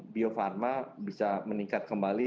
biofarma bisa meningkat kembali